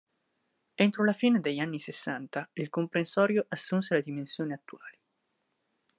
Entro la fine degli anni sessanta il comprensorio assunse le dimensioni attuali.